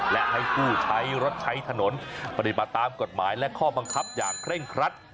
และให้ผู้ใช้รถใช้ถนนปฏิบัติตามกฎหมายและข้อบังคับอย่างเคร่งครัด